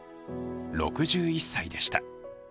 ６１歳でした。